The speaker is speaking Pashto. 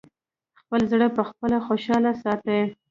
خپل زړه پخپله خوشاله ساتی!